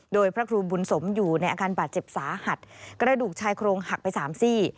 โดยพระครูบุญสมอยู่ในอาการบาดเจ็บสาหัสกระดูกชายโครงหักไปสามซี่